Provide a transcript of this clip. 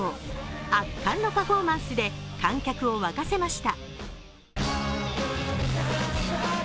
圧巻のパフォーマンスで観客を沸かせました。